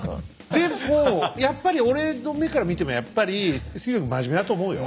でもやっぱり俺の目から見てもやっぱり杉野君真面目だと思うよ。